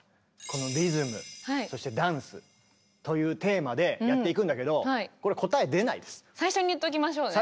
この「リズム」そして「ダンス」というテーマでやっていくんだけど最初に言っときましょうね。